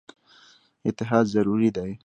اتحاد ضروري دی.